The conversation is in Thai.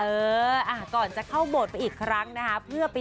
เอออ่าก่อนจะเข้าโบสถ์ไปอีกครั้งนะฮะ